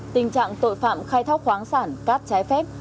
tình trạng tội phạm khai thác khoáng sản cát trái phép